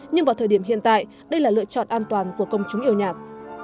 nhưng vào thời điểm hiện tại đây là lựa chọn an toàn của công chúng yêu nhạc